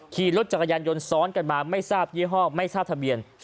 ขี่รถจักรยานยนต์ซ้อนกันมาไม่ทราบยี่ห้อไม่ทราบทะเบียน